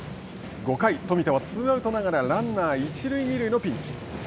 ５回、冨田はツーアウトながらランナー一塁二塁のピンチ。